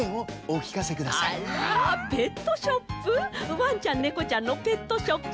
ワンちゃんネコちゃんのペットショップ？